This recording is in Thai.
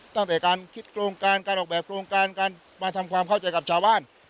ตั้งแต่การคิดโครงการการออกแบบโครงการการมาทำความเข้าใจกับชาวบ้าน